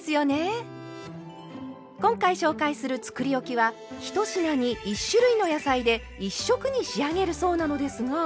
今回紹介するつくりおきは１品に１種類の野菜で１色に仕上げるそうなのですが。